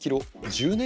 １０年！